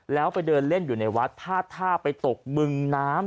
แล้วไปเดินเล่นอยู่ในวัดพาดท่าไปตกบึงน้ำ